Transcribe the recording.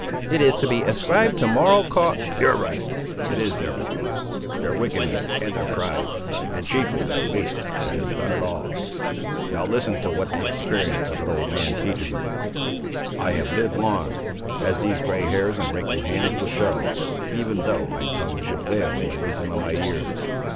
"It is to be ascribed to moral cau—" "You're right—it is their morals; their wickedness and their pride, and chiefly their waste that has done it all! Now listen to what the experience of an old man teaches him. I have lived long, as these grey hairs and wrinkled hands will show, even though my tongue should fail in the wisdom of my years.